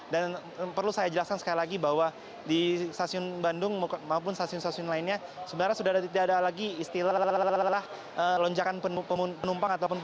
dan perlu saya jelaskan sekali lagi bahwa di stasiun bandung maupun stasiun stasiun lainnya sebenarnya sudah tidak ada lagi istilah lonjakan penumpang